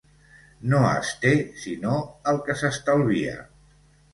No es té sinó el que s'estalvia.